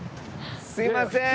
すいませーん！